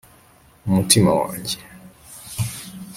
Umutima wanjye